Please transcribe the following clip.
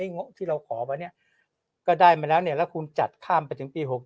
เงาะที่เราขอก็ได้มาแล้วแล้วคุณจัดข้ามไปถึงปี๖๗